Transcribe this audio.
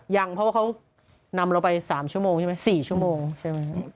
ยังเพราะว่าเขานำเราไป๓ชั่วโมงใช่ไหม๔ชั่วโมงใช่ไหม